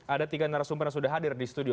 ada tiga narasumber yang sudah hadir di studio